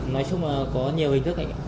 nói chung là có nhiều hình thức